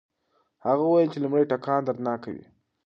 هغه وویل چې لومړی ټکان دردناک وي.